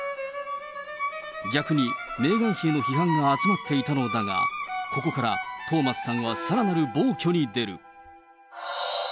逆に、メーガン妃への批判が集まっていたのだが、ここからトーマスさんはさらなる暴挙に出る。